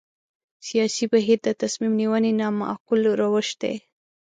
سیاسي بهیر د تصمیم نیونې نامعقول روش دی.